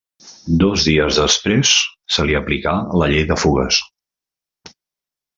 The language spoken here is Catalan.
Dos dies després se li aplicà la llei de fugues.